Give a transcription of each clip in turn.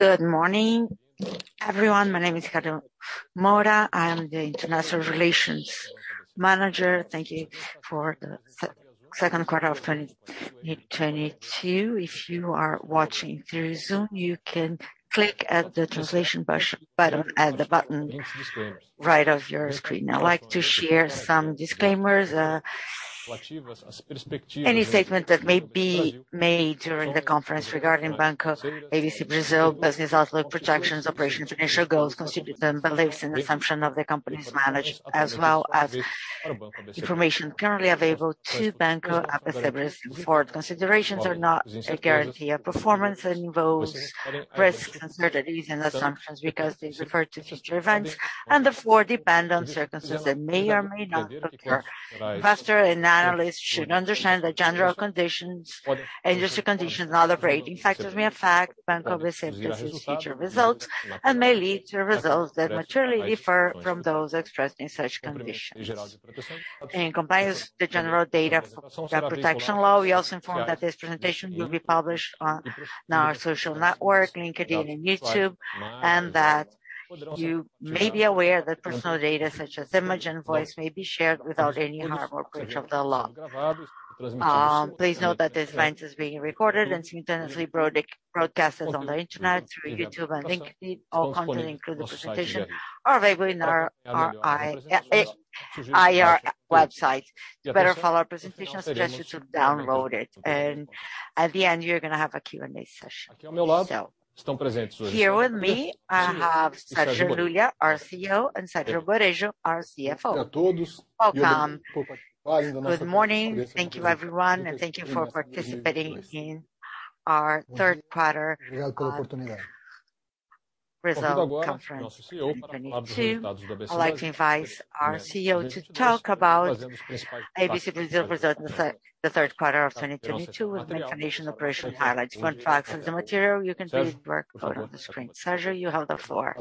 Good morning, everyone. My name is Karen Moura. I am the Investor Relations Manager. Thank you for the second quarter of 2022. If you are watching through Zoom, you can click the translation button, the button right of your screen. I'd like to share some disclaimers. Any statement that may be made during the conference regarding Banco ABC Brasil business outlook, projections, operations, financial goals, constitute the beliefs and assumption of the company's management as well as information currently available to Banco ABC Brasil. Forward considerations are not a guarantee of performance and involves risks, uncertainties and assumptions because they refer to future events and therefore depend on circumstances that may or may not occur. Investors and analysts should understand the general conditions, industry conditions and other operating factors may affect Banco ABC Brasil's future results and may lead to results that materially differ from those expressed in such conditions. In compliance with the General Data Protection Law, we also inform that this presentation will be published on our social network, LinkedIn and YouTube, and that you may be aware that personal data such as image and voice may be shared without any harm or breach of the law. Please note that this event is being recorded and simultaneously broadcasted on the internet through YouTube and LinkedIn. All content, including the presentation, are available in our IR website. To better follow our presentation, I suggest you to download it. At the end, you're gonna have a Q&A session. Here with me, I have Sérgio Lulia, our CEO, and Sérgio Borejo, our CFO. Welcome. Good morning. Thank you everyone, and thank you for participating in our third quarter results conference 2022. I'd like to invite our CEO to talk about ABC Brasil results in the third quarter of 2022 with the information operational highlights. For facts of the material, you can read the report on the screen. Sérgio, you have the floor.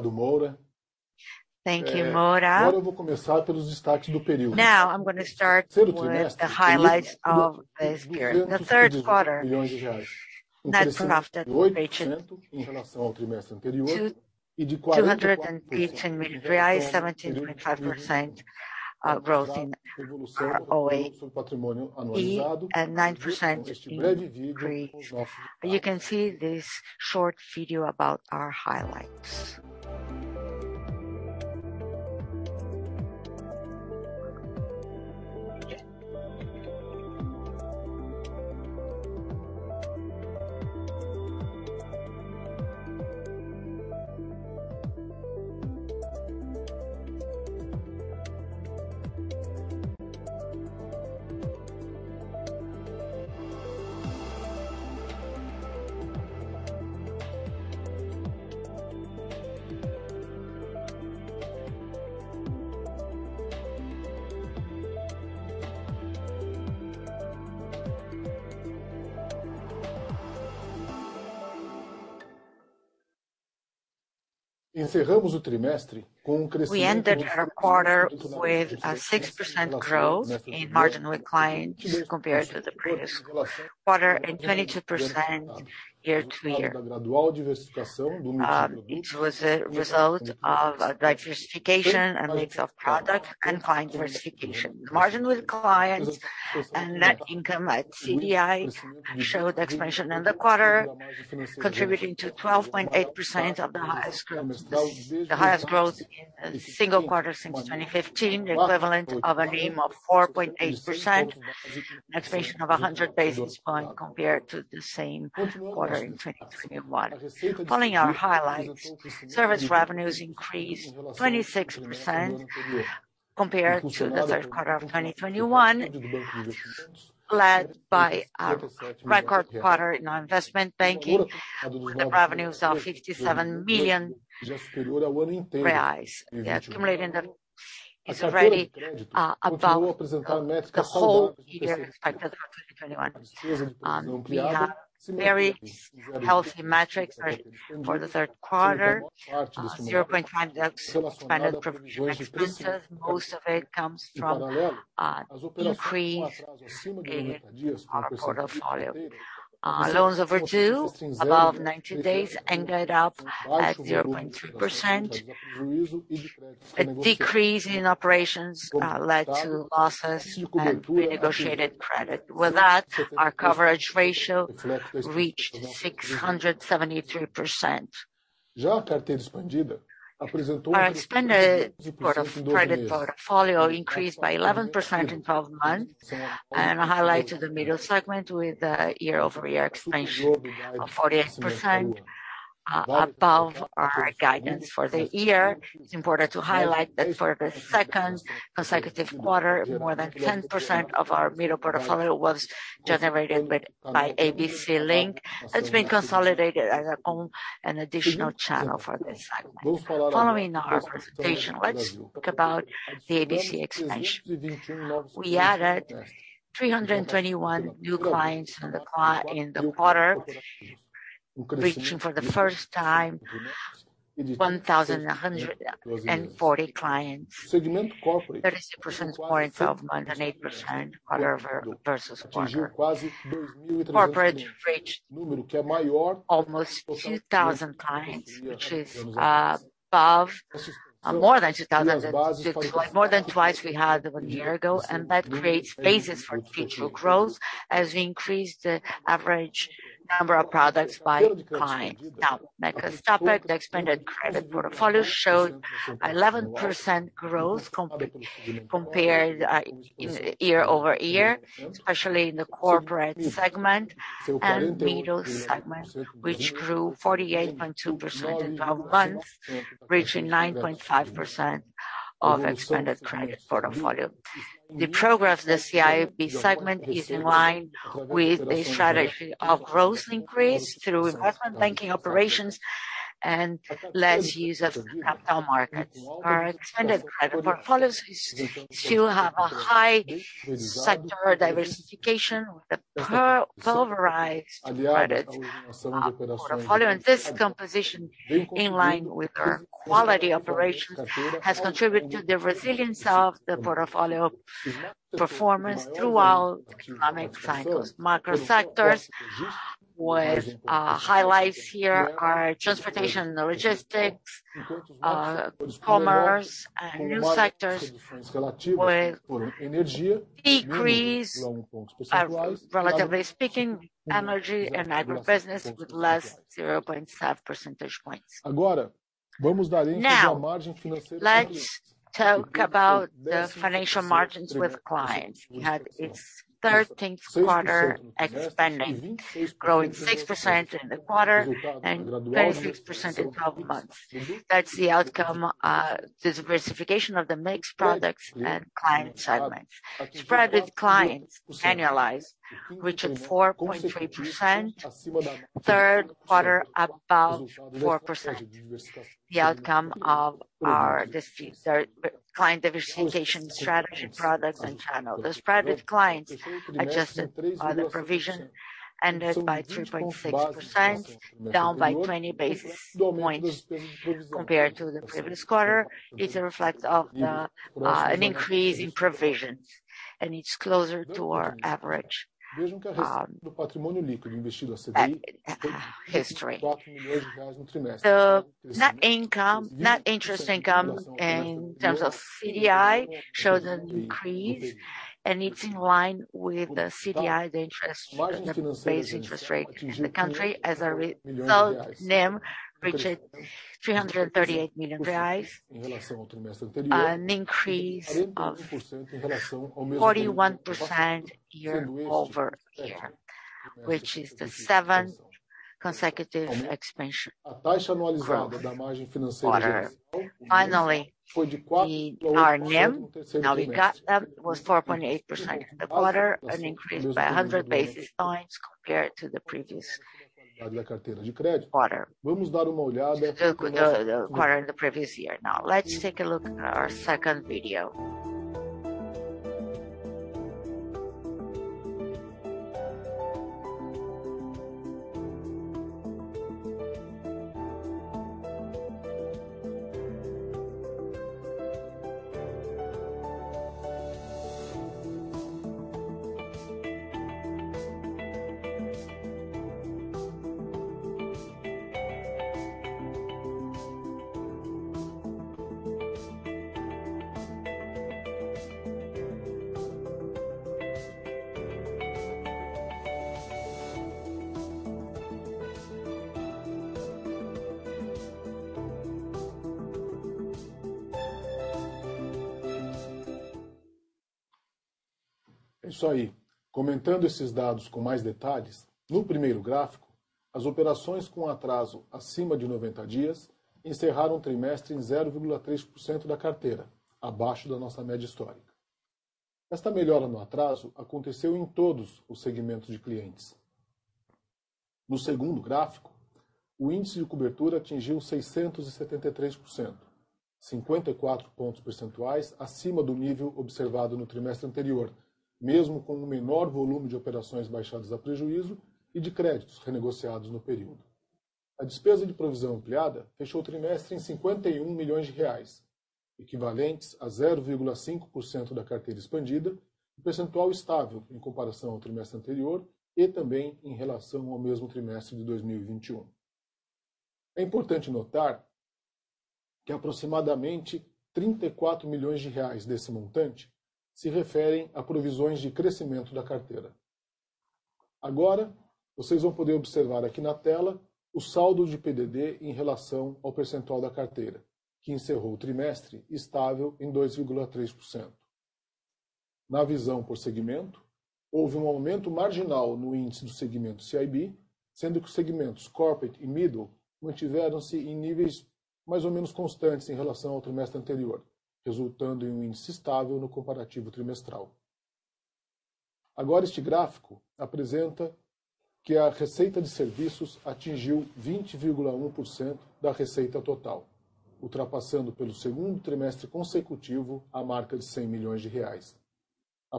Thank you, Moura. Now, I'm gonna start with the highlights of this period. The third quarter net profit of 215 million, 17.5% growth in our ROE and 9% in degree. You can see this short video about our highlights. We ended our quarter with a 6% growth in margin with clients compared to the previous quarter and 22% year-over-year. It was a result of diversification and mix of product and client diversification. Margin with clients and net income at CDI showed expansion in the quarter, contributing to 12.8%, the highest growth in a single quarter since 2015, the equivalent of a NIM of 4.8%, an expansion of 100 basis points compared to the same quarter in 2021. Following our highlights, service revenues increased 26% compared to the third quarter of 2021, led by our record quarter in our investment banking, with revenues of 57 million reais. Accumulating, it's already above the whole year of 2021. We have very healthy metrics for the third quarter. 0.5 spent in provision and interest. Most of it comes from increase in our portfolio. Loans overdue above 90 days ended up at 0.3%. A decrease in operations led to losses and renegotiated credit. With that, our coverage ratio reached 673%. Our expanded credit portfolio increased by 11% in 12 months, and I highlighted the middle segment with a year-over-year expansion of 48%, above our guidance for the year. It's important to highlight that for the second consecutive quarter, more than 10% of our middle portfolio was generated by ABC Link. It's been consolidated as our own, an additional channel for this segment. Following our presentation, let's talk about the ABC expansion. We added 321 new clients in the quarter, reaching for the first time 1,140 clients. 30 percentage points more than 8% quarter-over-quarter. Corporate reached almost 2,000 clients, which is more than twice we had one year ago, and that creates basis for future growth as we increase the average number of products by client. Now, like I stopped at the expanded credit portfolio showed 11% growth compared year-over-year, especially in the corporate segment and middle segment, which grew 48.2% in 12 months, reaching 9.5% of expanded credit portfolio. The progress in the CIB segment is in line with the strategy of growth increase through investment banking operations and less use of capital markets. Our expanded credit portfolios still have a high sector diversification with a pulverized credit portfolio. This composition, in line with our quality operations, has contributed to the resilience of the portfolio performance throughout economic cycles. Macro sectors with highlights here are transportation and logistics, commerce, new sectors with decrease are, relatively speaking, energy and agribusiness with less 0.5 percentage points. Now, let's talk about the financial margins with clients. We had its 13th quarter expanding, growing 6% in the quarter and 36% in 12 months. That's the outcome, the diversification of the mix products and client segments. Private clients annualized reached 4.3%, third quarter above 4%. The outcome of our client diversification strategy, products, and channels. Those private clients adjusted by the provision ended by 3.6%, down by 20 basis points compared to the previous quarter. It's a reflection of the, an increase in provisions, and it's closer to our average history. Net interest income in terms of CDI shows an increase, and it's in line with the CDI, the base interest rate in the country. As a result, NIM reached BRL 338 million. An increase of 41% year-over-year, which is the seventh consecutive expansion quarter. Finally, our NIM was 4.8% in the quarter, an increase by 100 basis points compared to the previous quarter. The quarter in the previous year. Now let's take a look at our second video. [The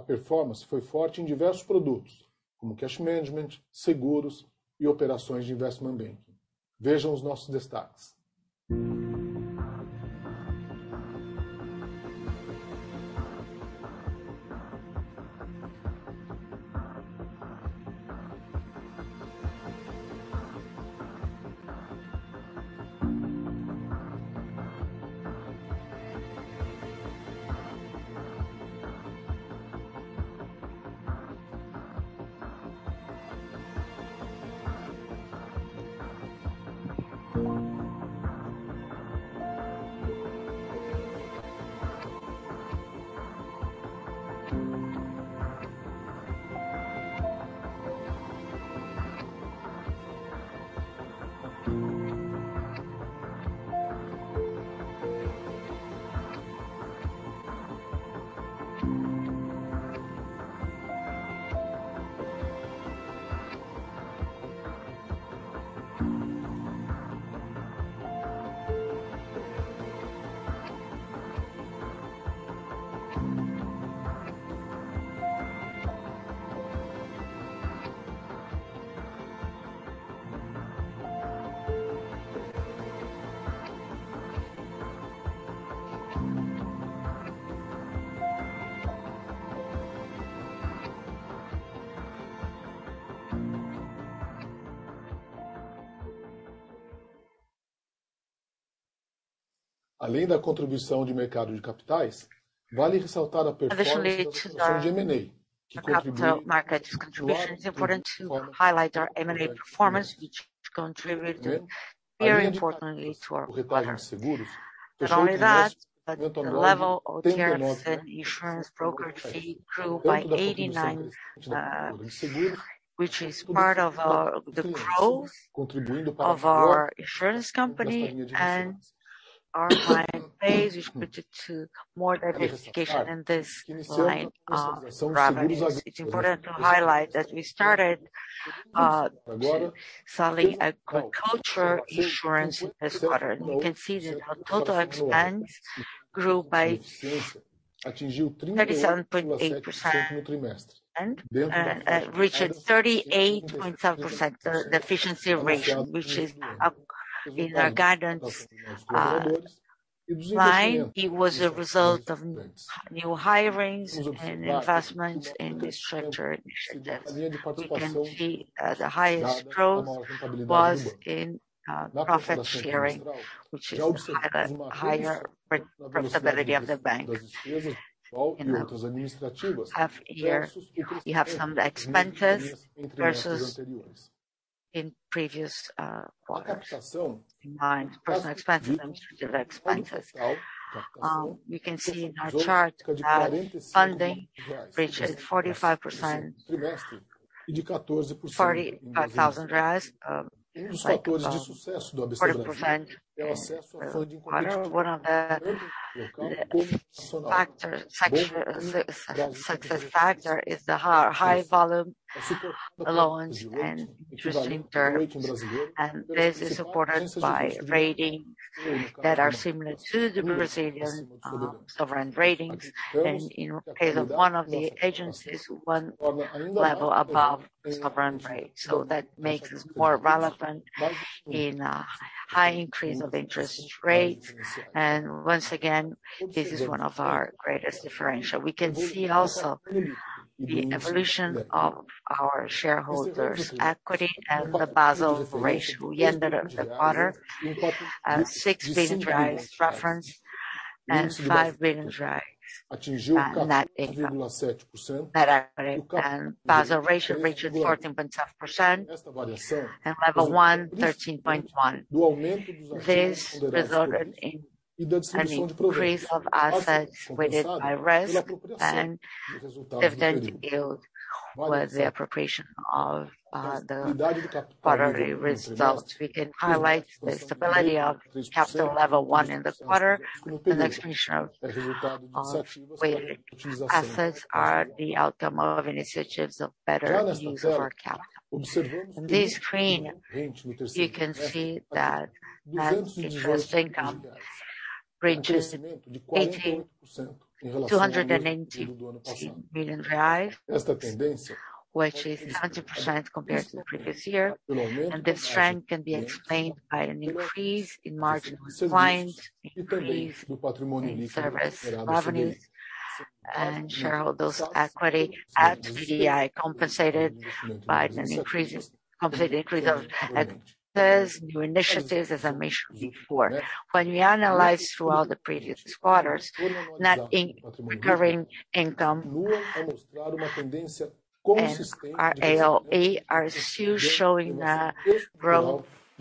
performance was forte in diverse products, como cash management, seguros, e operações de investment banking. Vejam os nossos destaques. Além da contribuição de mercado de capitais, vale ressaltar a performance da operação de M&A, que contribuiu muito importantemente para o nosso crescimento.] [Não só isso, mas o nível de taxas de seguro e corretagem de seguro cresceu por 89%, que faz parte do crescimento da nossa companhia de seguros e nossa base de clientes, o que leva a mais diversificação nessa linha de receitas. É importante destacar que começamos a net income. O ratio de Basileia atingiu 14.7% e Level 1, 13.1%.] [Isso resultou em um aumento de ativos ponderados por risco e rentabilidade dos dividendos foi a apropriação do resultado do trimestre. Podemos destacar a estabilidade do capital level one no trimestre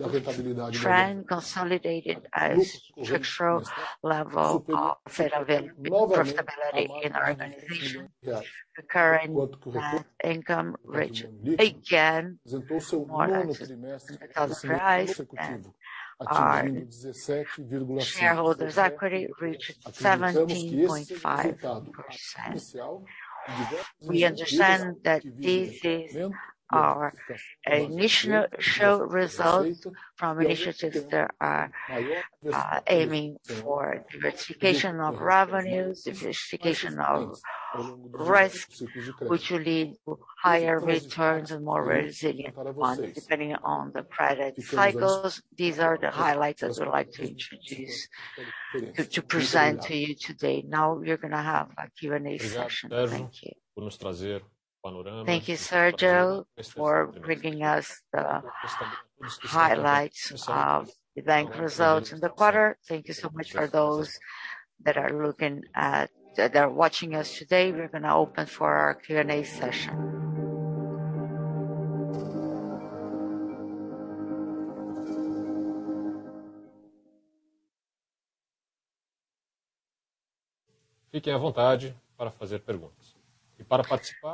e a expansão de ativos ponderados são o resultado de iniciativas de melhor uso do nosso capital. Nesta tela, você pode ver que a receita de juros atingiu BRL 219 million, o que é 70% comparado ao ano anterior. Essa força pode ser explicada por um aumento na margem dos clientes, aumento nas receitas de serviços e no patrimônio dos acionistas após o CDI compensado por um aumento compensado de gastos em novas iniciativas, como mencionei antes. Quando analisamos ao longo dos trimestres anteriores, a receita recorrente e nosso ROE ainda estão mostrando um crescimento, uma tendência consolidada como mostrou level of profitability in our organization.] The current NIM reached again more than 2,000 bps and our ROE reached 17.5%. We understand that this is our initial result from initiatives that are aiming for diversification of revenues, diversification of risk, which will lead to higher returns and more resilient funding depending on the credit cycles. These are the highlights I'd like to present to you today. Now we are gonna have a Q&A session. Thank you. Thank you, Sérgio, for bringing us the highlights of the bank results in the quarter. Thank you so much for those that are watching us today. We're gonna open for our Q&A session.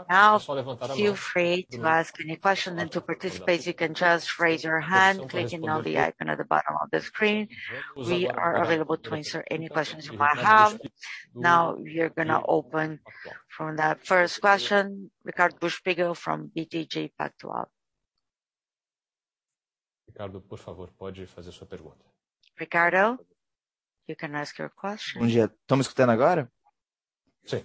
Now feel free to ask any question and to participate, you can just raise your hand clicking on the icon at the bottom of the screen. We are available to answer any questions you might have. Now we are gonna open for the first question, Ricardo Buchpiguel from BTG Pactual. Ricardo, please go ahead with your question. Ricardo, you can ask your question. Good day. Can you hear me now? Yes. Can you hear me? Good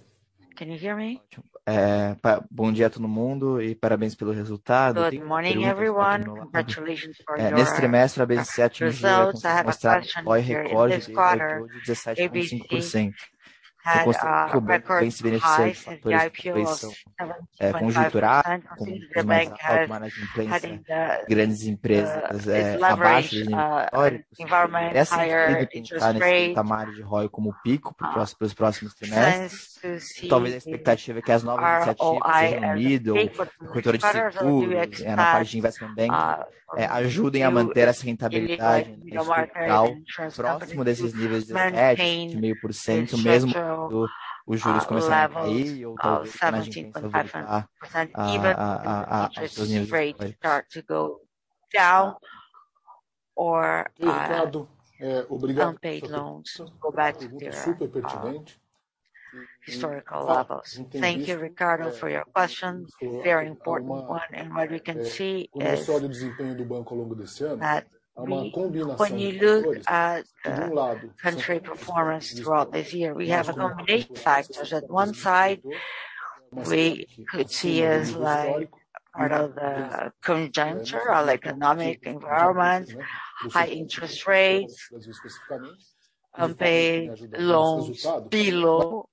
morning everyone, and congratulations for your results. I have a question here. In this quarter, ABC had a record high in the ROE of 17.5%. The bank has had in its leverage environment, higher interest rates tends to see their ROE are big. In the quarter they expect to immediately be more higher in transfer pricing to maintain their schedule levels of 17.5% even if interest rates start to go down or unpaid loans go back to their historical levels. Thank you, Ricardo, for your question. Very important one. What we can see is that. When you look at country performance throughout this year, we have a combination of factors. At one side, we could see as like part of the conjuncture, our economic environment, high interest rates, unpaid loans below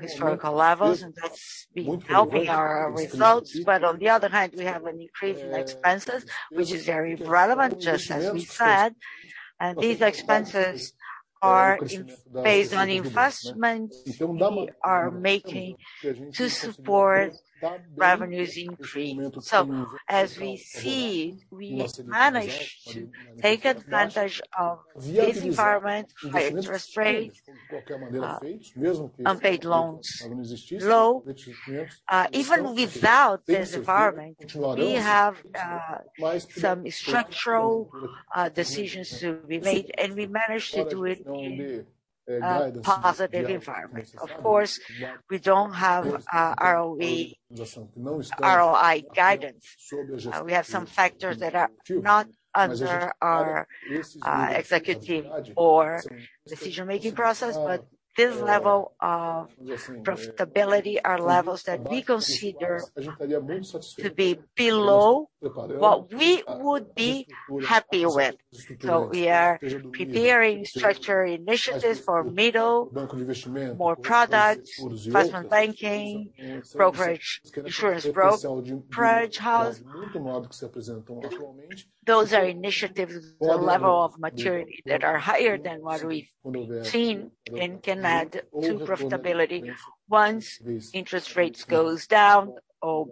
historical levels, and that's been helping our results. On the other hand, we have an increase in expenses, which is very relevant, just as we said. These expenses are based on investments we are making to support revenues increase. As we see, we managed to take advantage of this environment, high interest rates, unpaid loans low. Even without this environment, we have some structural decisions to be made, and we managed to do it in a positive environment. Of course, we don't have ROI guidance. We have some factors that are not under our executive or decision-making process. This level of profitability are levels that we consider to be below what we would be happy with. We are preparing structural initiatives for middle-market, more products, investment banking, brokerage, insurance brokerage house. Those are initiatives with a level of maturity that are higher than what we've seen and can add to profitability once interest rates goes down or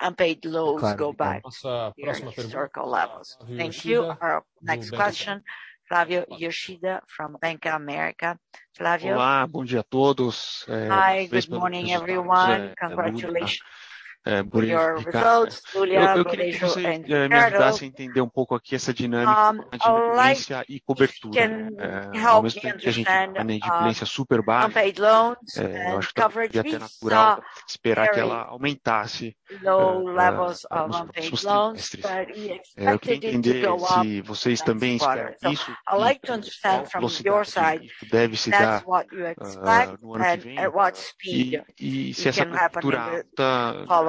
unpaid loans go back to their historical levels. Thank you. Our next question, Flavio Yoshida from Bank of America. Flavio? Hi, good morning everyone. Congratulations for your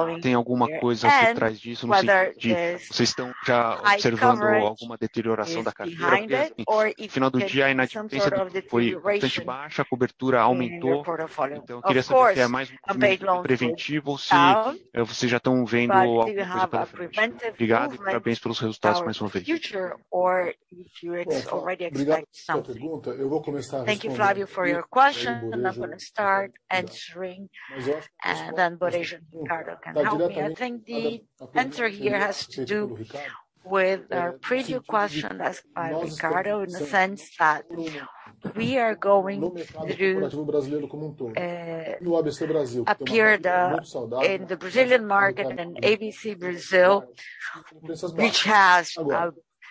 results. Lulia, Borejo, and Ricardo. Can you help me understand unpaid loans and coverage. We saw very low levels of unpaid loans, but we expected it to go up last quarter. I'd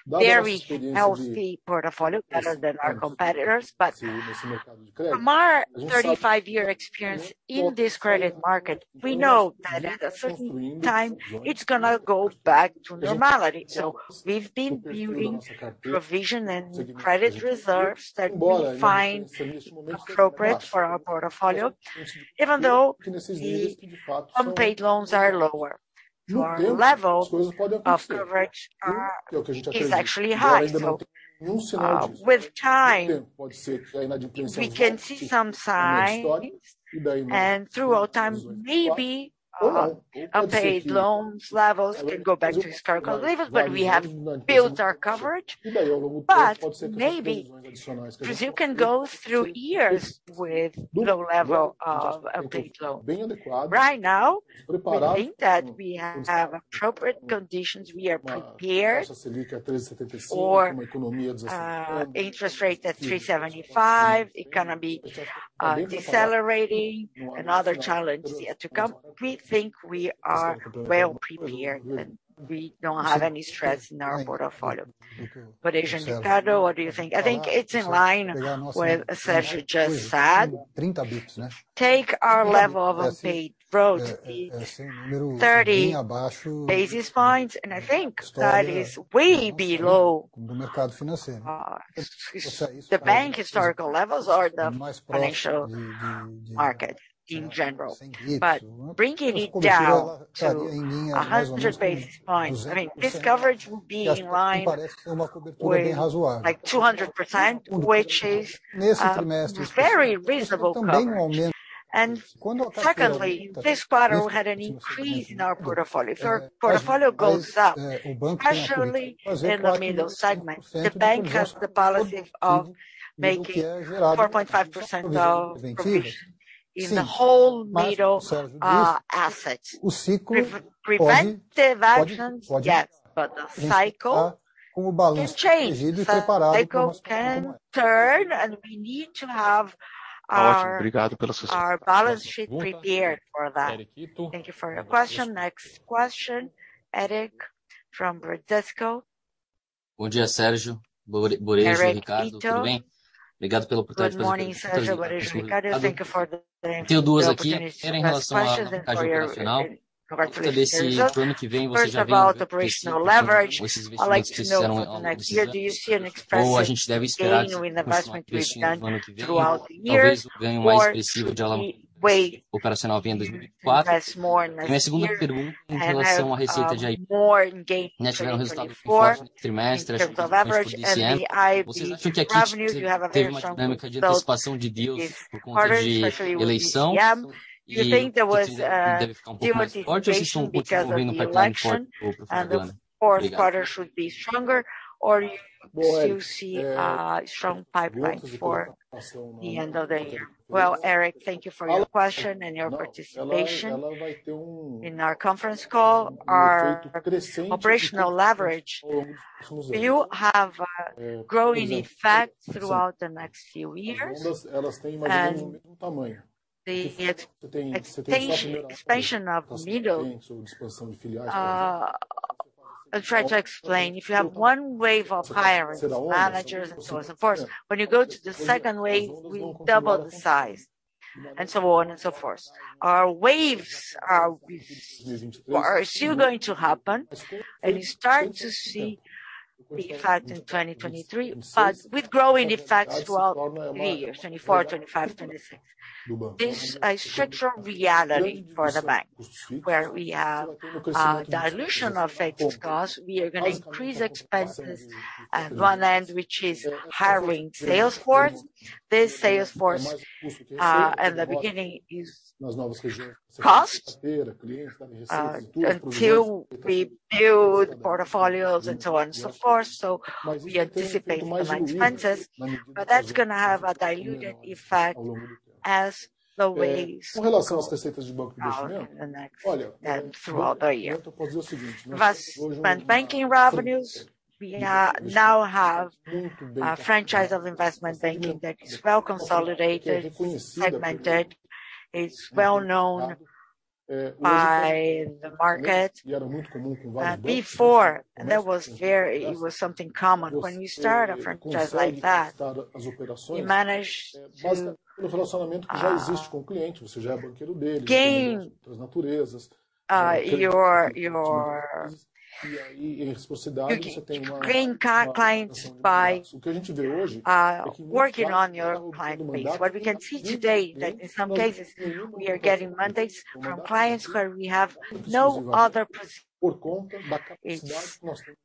very healthy portfolio better than our competitors. From our 35-year experience in this credit market, we know that at a certain time it's gonna go back to normality. We've been building provision and credit reserves that we find appropriate for our portfolio, even though the unpaid loans are lower. Our level of coverage is actually high. With time we can see some signs and throughout time, maybe, unpaid loans levels can go back to historical levels. We have built our coverage. Maybe Brazil can go through years with low level of unpaid loans. Right now, we think that we have appropriate conditions. We are prepared for interest rate at 3.75%, economy decelerating and other challenges yet to come. We think we are well prepared, and we don't have any stress in our portfolio. Ricardo, what do you think? I think it's in line with what Sérgio just said. Our level of unpaid loans is 30 basis points, and I think that is way below the bank historical levels or the financial market in general. Bringing it down to 100 basis points, I mean, this coverage being in line with like 200%, which is very reasonable coverage. Secondly, this quarter had an increase in our portfolio. If your portfolio goes up, especially in the middle segment, the bank has the policy of making 4.5% provision in the whole middle assets. Preventive actions, yes, but the cycle has changed. The cycle can turn, and we need to have our balance sheet prepared for that. Thank you for your question. Next question, Eric Ito from Bradesco. Good day, Sérgio Borejo. Eric Ito. Good morning, Sérgio Ricardo Borejo. Thank you for the opportunity to ask questions and for your introduction. First of all, operational leverage. I'd like to know for next year, do you see an expressive gain in investment being done throughout the year or we wait and invest more next year and have more gain in 2024 in terms of leverage? And the IB revenue, do you have a very strong result in this quarter, especially with DCM? Do you think there was demotivation because of the election, and the fourth quarter should be stronger or you still see a strong pipeline for the end of the year? Well, Eric, thank you for your question and your participation in our conference call. Our operational leverage will have a growing effect throughout the next few years. The expansion of middle I'll try to explain. If you have one wave of hiring managers and so on and so forth, when you go to the second wave, we double the size and so on and so forth. Our waves are still going to happen, and you start to see the effect in 2023, but with growing effects throughout the years, 2024, 2025, 2026. This is a structural reality for the bank, where we have dilution of fixed costs. We are gonna increase expenses at one end, which is hiring sales force. This sales force at the beginning is cost until we build portfolios and so on and so forth. We anticipate the line expenses, but that's gonna have a diluted effect as the waves come out in the next and throughout the year. Investment banking revenues, we now have a franchise of investment banking that is well consolidated, segmented. It's well-known by the market. Before, that was something common. When you start a franchise like that, you manage to gain clients by working on your client base. What we can see today that in some cases we are getting mandates from clients where we have no other position.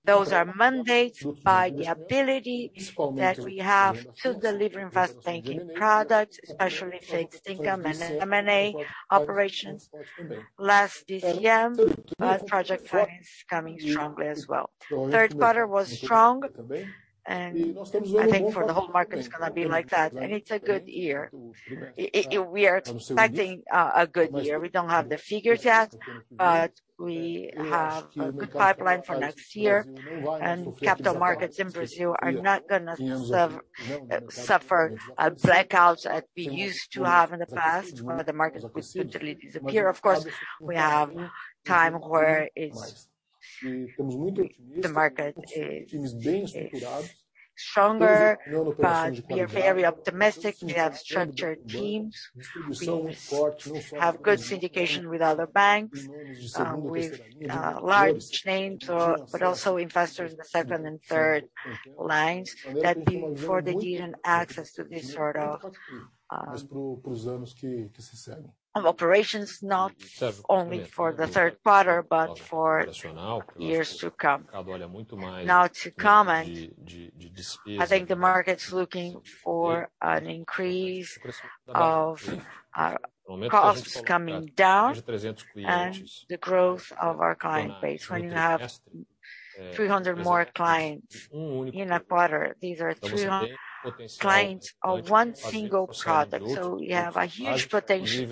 Those are mandates by the ability that we have to deliver investment banking products, especially fixed income and M&A operations. Last DCM, but project finance is coming strongly as well. Third quarter was strong, and I think for the whole market, it's gonna be like that. It's a good year. We are expecting a good year. We don't have the figures yet, but we have a good pipeline for next year. Capital markets in Brazil are not gonna suffer a blackout that we used to have in the past, where the markets could suddenly disappear. Of course, we have times where the market is stronger, but we are very optimistic. We have structured teams. We have good syndication with other banks, with large chains but also investors in the second and third lines that before they didn't access to this sort of operations, not only for the third quarter, but for years to come. Now to comment, I think the market's looking for an increase of costs coming down and the growth of our client base. When you have 300 more clients in a quarter, these are 300 clients of one single product. We have a huge potential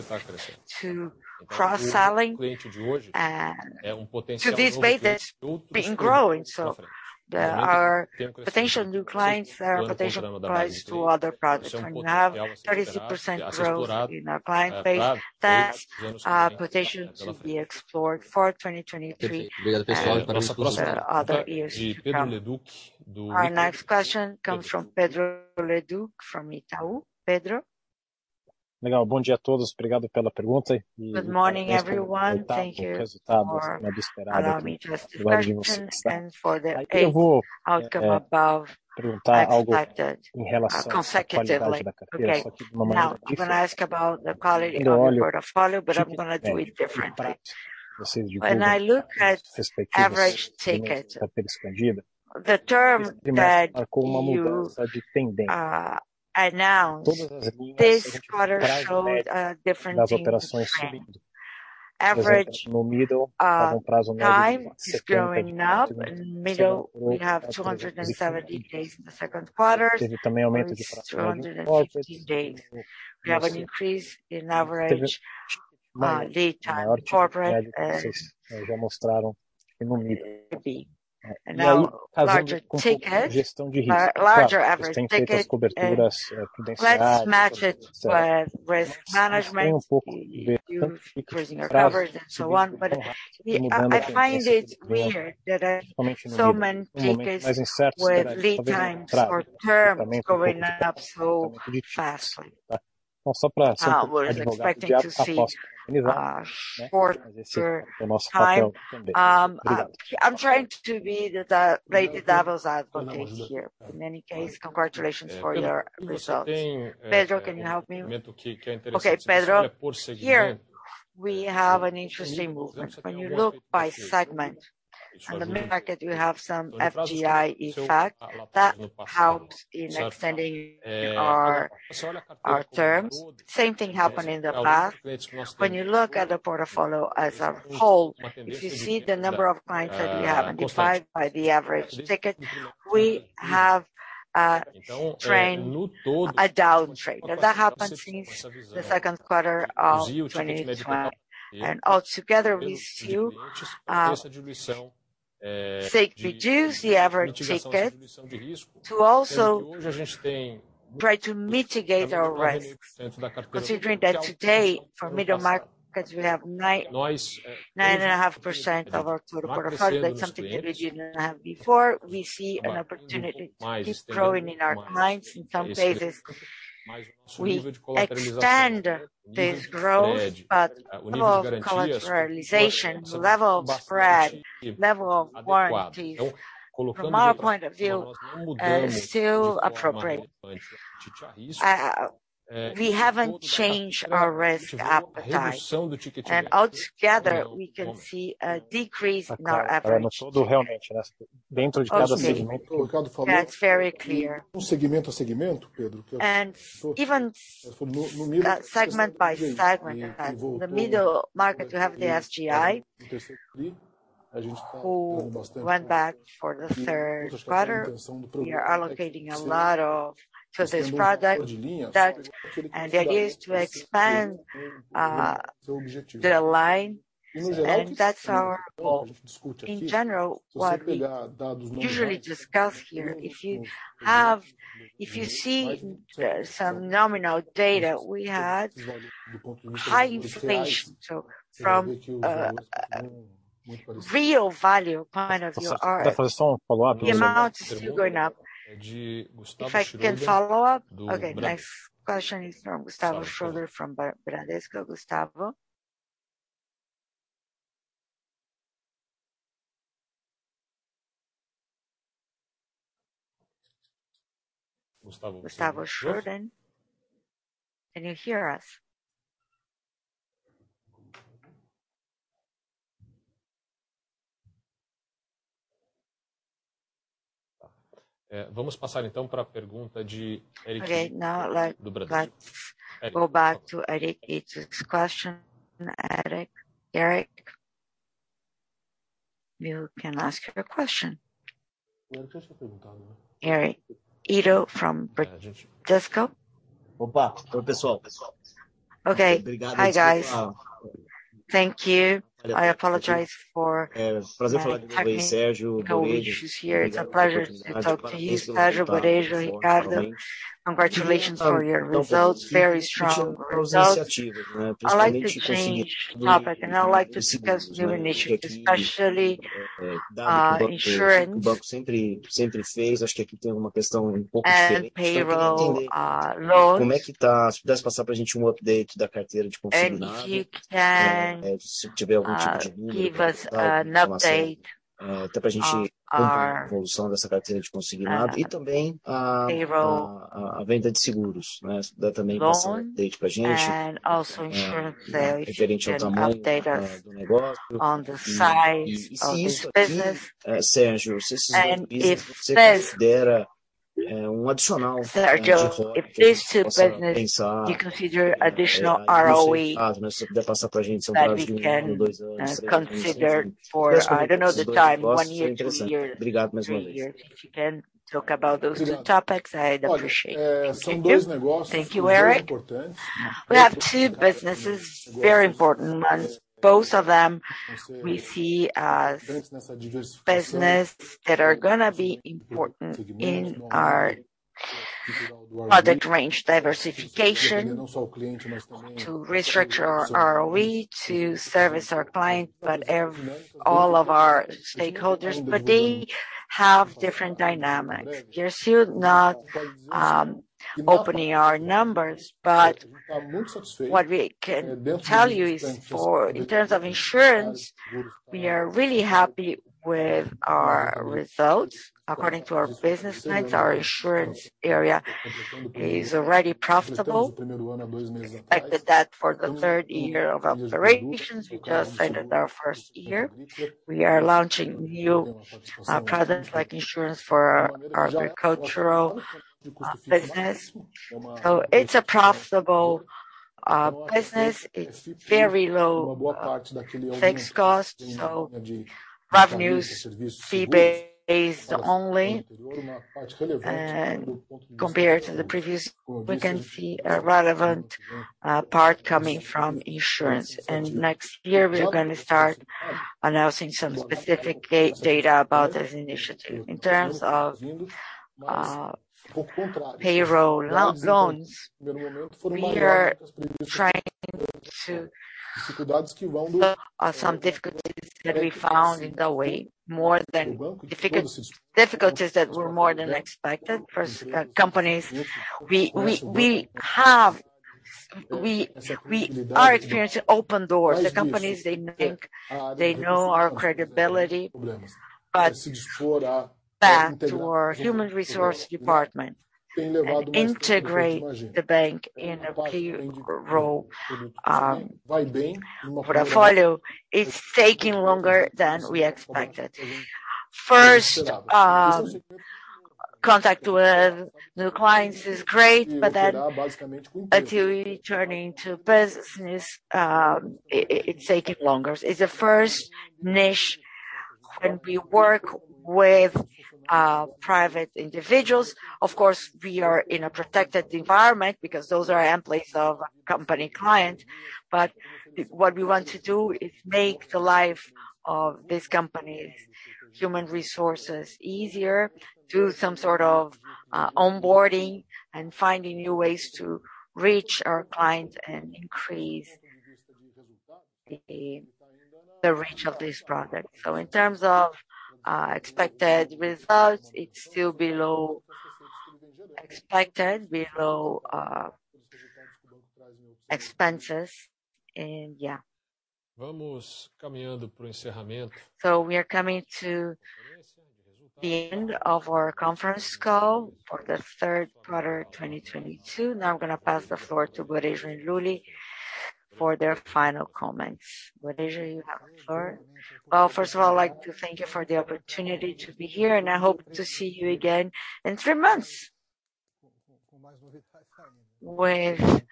to cross-selling and to this base that's been growing. There are potential new clients that are potential clients to other products. When you have 36% growth in our client base, that's a potential to be explored for 2023 and the other years to come. Our next question comes from Pedro Leduc from Itaú. Pedro? Good morning, everyone. Thank you for allowing me this question and for the eighth outcome above expected, consecutively. Okay. Now I'm gonna ask about the quality of your portfolio, but I'm gonna do it differently. When I look at average ticket, the term that you announced this quarter showed a different thing with trend. Average time is going up. In middle, we have 270 days in the second quarter, it's 250 days. We have an increase in average lead time, corporate and now larger tickets, larger average ticket and let's match it with risk management. You increasing your covers and so on. I find it weird that so many tickets with lead times or terms going up so fast. We're expecting to see shorter time. I'm trying to be the devil's advocate here. In any case, congratulations for your results. Pedro, can you help me? Okay, Pedro. Here we have an interesting movement. When you look by segment, in the middle market you have some FGI effect that helps in extending our terms. Same thing happened in the past. When you look at the portfolio as a whole, if you see the number of clients that we have and divide by the average ticket, we have a downtrend. That happened since the second quarter of 2020. All together, we seek to reduce the average ticket to also try to mitigate our risk. Considering that today for middle markets we have 9.5% of our total portfolio. That's something that we didn't have before. We see an opportunity to keep growing in our clients. In some cases, we extend this growth, but level of collateralization, level of spread, level of warranties from our point of view is still appropriate. We haven't changed our risk appetite. All together we can see a decrease in our average per se. That's very clear. Even segment by segment, as in the middle market, you have the FGI who went back for the third quarter. We are allocating a lot to this product. The idea is to expand the line, and that's our goal. In general, what we usually discuss here, if you see some nominal data, we had high inflation. From real value point of view, our the amount is still going up. If I can follow up. Okay. Next question is from Gustavo Schroden from Bradesco. Gustavo? Gustavo Schroden, can you hear us? Uh, Okay, now let's go back to Eric Ito's question. Eric? You can ask your question. Eric Ito from Bradesco? Opa. Oi, pessoal. Okay. Hi, guys. Thank you. I apologize for technical issues here. It's a pleasure to talk to you, Sérgio Borejo, Ricardo. Congratulations on your results. Very strong results. I'd like to change topic, and I would like to discuss new initiatives, especially insurance and payroll loans. If you can give us an update of our payroll loan. Also insurance sales. You can update us on the size of this business. If there's, Sérgio, if this business you consider additional ROE that we can consider for. I don't know the time, 1 year to 3 years. 3 years. If you can talk about those two topics, I'd appreciate. Thank you, Eric. We have two businesses, very important ones. Both of them we see as businesses that are gonna be important in our product range diversification to restructure our ROE to service our client, but all of our stakeholders. They have different dynamics. We're still not opening our numbers, but what we can tell you is in terms of insurance, we are really happy with our results. According to our business plans, our insurance area is already profitable. We expected that for the third year of operations. We just ended our first year. We are launching new products like insurance for our agricultural business. So it's a profitable business. It's very low fixed costs, so revenues, fee-based only. Compared to the previous, we can see a relevant part coming from insurance. Next year, we're gonna start announcing some specific data about this initiative. In terms of payroll loans, some difficulties that we found along the way more than expected. Difficulties that were more than expected. First, companies. We are experiencing open doors. The companies, they think they know our credibility, but back to our human resources department and integrate the bank in a key role, portfolio. It's taking longer than we expected. First, contact with new clients is great, but then until we turn it into business, it's taking longer. It's the first niche when we work with private individuals. Of course, we are in a protected environment because those are employees of client companies. What we want to do is make the life of these companies' human resources easier, do some sort of onboarding and finding new ways to reach our clients and increase the reach of this product. In terms of expected results, it's still below expected expenses. We are coming to the end of our conference call for the third quarter of 2022. Now I'm gonna pass the floor to Borejo and Lulia for their final comments. Borejo, you have the floor. Well, first of all, I'd like to thank you for the opportunity to be here, and I hope to see you again in three months with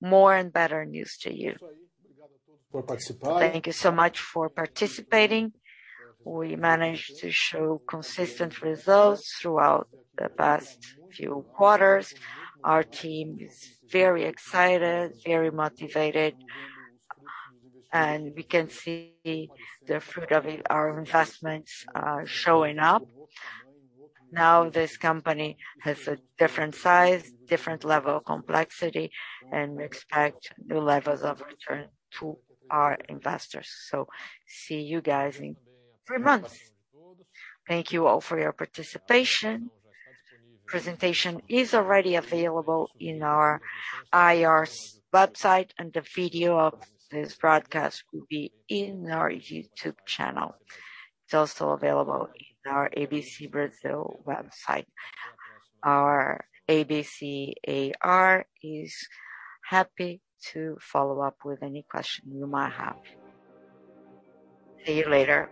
more and better news to you. Thank you so much for participating. We managed to show consistent results throughout the past few quarters. Our team is very excited, very motivated, and we can see the fruit of our investments are showing up. Now this company has a different size, different level of complexity, and we expect new levels of return to our investors. See you guys in three months. Thank you all for your participation. Presentation is already available in our IR website, and the video of this broadcast will be in our YouTube channel. It's also available in our ABC Brasil website. Our ABC IR is happy to follow up with any question you might have. See you later.